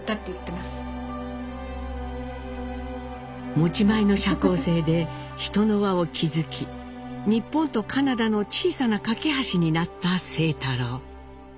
持ち前の社交性で人の輪を築き日本とカナダの小さな懸け橋になった清太郎。